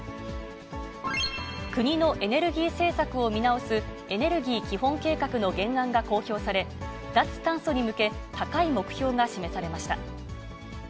国のエネルギー政策を見直すエネルギー基本計画の原案が公表され、脱炭素に向け、高い目標が示されました。